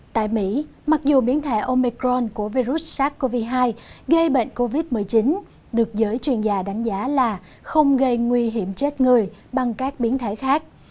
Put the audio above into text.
tại mỹ mặc dù biến thể omicron của virus sars cov hai gây bệnh covid một mươi chín được giới chuyên gia đánh giá là không gây nguy hiểm chết người bằng các biến thể khác